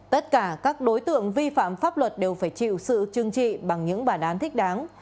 tất cả các đối tượng vi phạm pháp luật đều phải chịu sự chưng trị bằng những bản án thích đáng